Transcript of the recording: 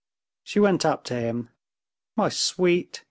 She went up to him. "My sweet!"